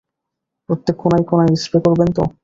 প্রত্যেক কোণায় কোণায় স্প্রে করবেন তো?